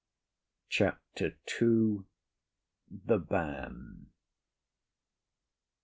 CHAPTER II. THE BAN.